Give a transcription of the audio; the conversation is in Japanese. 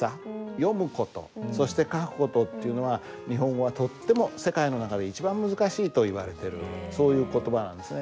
読む事そして書く事っていうのは日本語はとっても世界の中で一番難しいといわれてるそういう言葉なんですね。